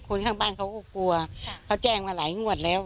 ข้างบ้านเขาก็กลัวเขาแจ้งมาหลายงวดแล้ว